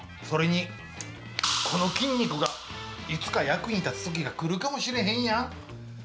それに、この筋肉がいつか役に立つときが来るかもしれへんやん。